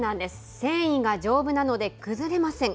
繊維が丈夫なので崩れません。